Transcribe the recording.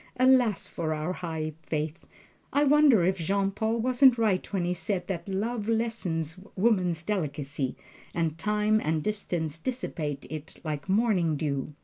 Alas for our high faith I wonder if Jean Paul wasn't right when he said that love lessens woman's delicacy, and time and distance dissipate it like morning dew?"